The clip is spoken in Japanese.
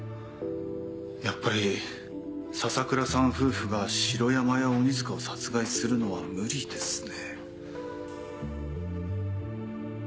やっぱり笹倉さん夫婦が城山や鬼塚を殺害するのは無理ですね。